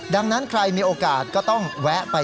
ดังนั้นใครมีโอกาสก็ต้องแวะไป